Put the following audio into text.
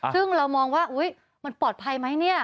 ซึ่งเรามองว่ามันปลอดภัยไหมเนี่ย